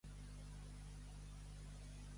Què vol dir el substantiu gaiato?